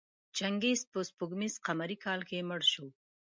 چنګیز په سپوږمیز قمري کال کې مړ شو.